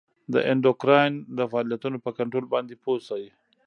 د اندوکراین د فعالیتونو په کنترول باندې پوه شئ.